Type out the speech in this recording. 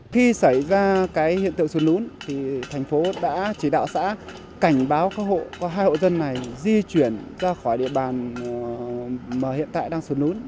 khi xảy ra hiện tượng xuất nún thành phố đã chỉ đạo xã cảnh báo hai hộ dân này di chuyển ra khỏi địa bàn hiện tại đang xuất nún